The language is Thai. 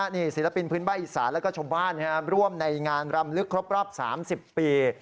นี่ศิลปินพื้นบ้านอีสานแล้วก็ชมบ้านนะครับร่วมในงานรำลึกครบรอบสามสิบปี